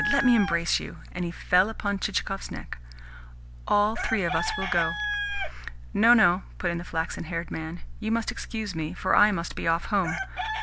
Let me embrace you!" And he fell upon Chichikov's neck. "All three of us will go." "No, no," put in the flaxen haired man. "You must excuse me, for I must be off home."